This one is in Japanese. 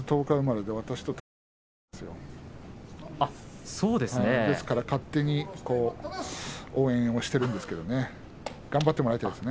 ですから勝手に応援をしているんですけれどもね。頑張ってもらいたいです。